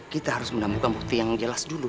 kita harus menemukan bukti yang jelas dulu